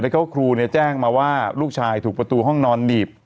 แล้วก็ครูแจ้งมาว่าลูกชายถูกประตูห้องนอนหนีบ